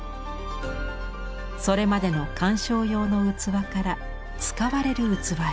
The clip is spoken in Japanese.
それまでの鑑賞用の器から使われる器へ。